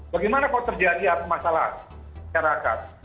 bagaimana kalau terjadi masalah syarakat